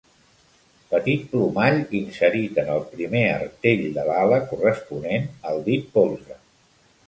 Petit plomall inserit en el primer artell de l'ala, corresponent al dit polze.